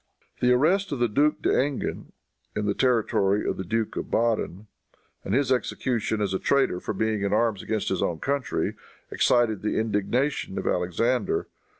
The arrest of the Duke d'Enghien, in the territory of the Duke of Baden, and his execution as a traitor for being in arms against his own country, excited the indignation of Alexander.